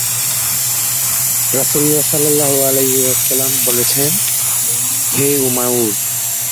রাসূলুল্লাহ সাল্লাল্লাহু আলাইহি ওয়াসাল্লাম বললেন, হে উমাইর!